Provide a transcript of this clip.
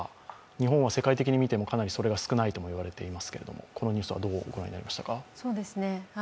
日本は世界的に見てもかなりそれが少ないと言われていますがこのニュースはどう御覧になりましたか。